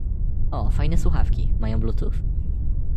O, fajne słuchawki, mają bluetooth?